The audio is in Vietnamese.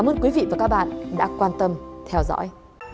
ơn quý vị và các bạn đã quan tâm theo dõi